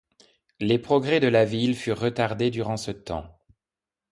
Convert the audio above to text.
Les progrès de la ville furent retardés durant ce temps.